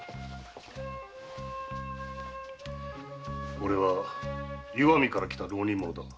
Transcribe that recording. おれは石見から来た浪人者だ。